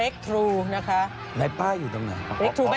ก็จะทักปีไม่ใหวทั้งเลย